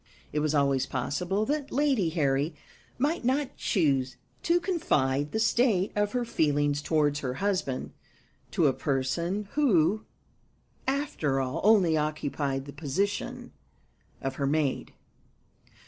It was always possible that Lady Harry might not choose to confide the state of her feelings towards her husband to a person who, after all, only occupied the position of her maid.